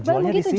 jualnya di sini